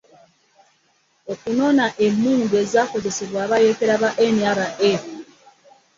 Okunona emmundu ezaakozesebwa abayeekera ba NRA